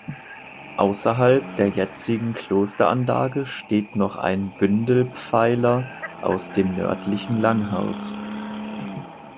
Außerhalb der jetzigen Klosteranlage steht noch ein Bündelpfeiler aus dem nördlichen Langhaus.